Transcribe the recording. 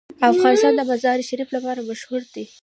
افغانستان د مزارشریف لپاره مشهور دی.